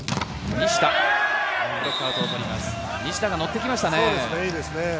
西田がのってきましたね。